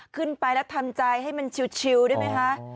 ขึ้นไปแล้วทำใจให้มันชิวได้ไหมคะ